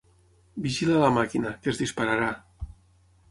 Vigila la màquina, que es dispararà.